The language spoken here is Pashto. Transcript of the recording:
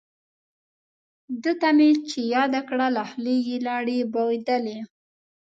دته مې چې یاده کړه له خولې یې لاړې بادولې.